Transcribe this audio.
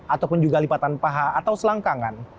ataupun juga lipatan paha atau selangkangan